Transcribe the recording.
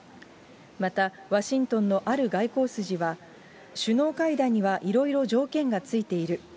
また、ワシントンのある外交筋は、首脳会談にはいろいろ条件が付いている。